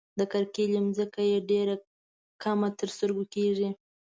د کرکيلې ځمکه یې ډېره کمه تر سترګو کيږي.